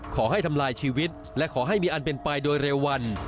ขอให้ทำลายชีวิตและขอให้มีอันเป็นไปโดยเร็ววัน